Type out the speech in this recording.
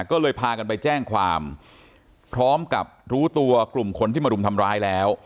ก็เลยพากันไปแจ้งความพร้อมกับรู้ตัวกลุ่มคนที่มารุมทำร้ายแล้ว